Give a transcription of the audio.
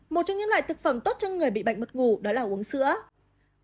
một trong những loại thực phẩm tốt cho người bị bệnh mất ngủ đó là uống sữa